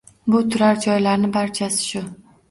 Bu turar-joylarning barchasi shu